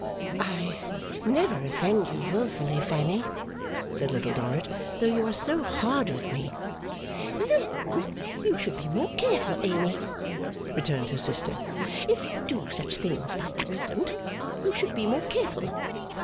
'I never offend you wilfully, Fanny,' said Little Dorrit, 'though you are so hard with me.' 'Then you should be more careful, Amy,' returned her sister. 'If you do such things by accident, you should be more careful.